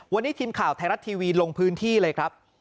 วันนี้ทีมข่าวไทยรัฐทีวีลงพื้นที่เลยครับ